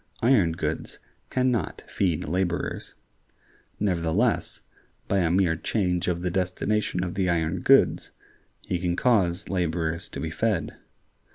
Iron goods can not feed laborers. Nevertheless, by a mere change of the destination of the iron goods, he can cause laborers to be fed.